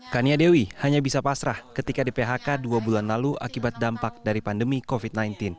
kania dewi hanya bisa pasrah ketika di phk dua bulan lalu akibat dampak dari pandemi covid sembilan belas